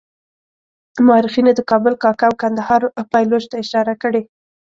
مورخینو د کابل کاکه او کندهار پایلوچ ته اشاره کړې.